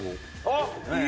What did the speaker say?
あっ！